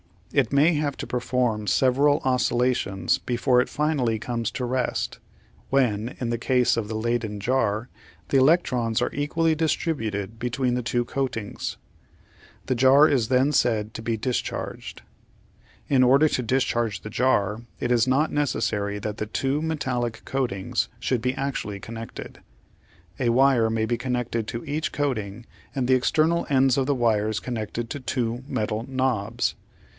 It may have to perform several oscillations before it finally comes to rest, when, in the case of the Leyden jar, the elec trons are equally distributed between the two coatings. The jar is then said to be discharged. In order to discharge the jar it is not necessary that the two metallic coatings should be actually con nected. A wire may be connected to each coating and the external ends of the wires connected to two metal knobs.